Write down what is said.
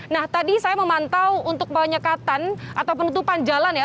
nah tadi saya memantau untuk penutupan jalan ya